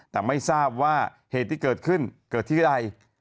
แต่ไม่ทราบว่าเหตุที่เกิดขึ้นเกิดที่อะไร